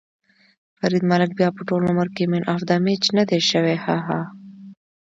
فرید ملک بیا به ټول عمر کې مېن اف ده مېچ ندی شوی.ههه